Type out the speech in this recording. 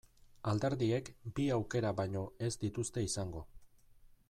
Alderdiek bi aukera baino ez dituzte izango.